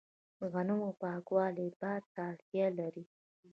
د غنمو پاکول باد ته اړتیا لري.